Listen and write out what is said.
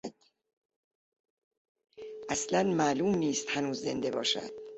اصلا معلوم نیست هنوز زنده باشد.